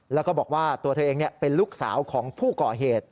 แล้วก็บอกว่าตัวเธอเองเป็นลูกสาวของผู้ก่อเหตุ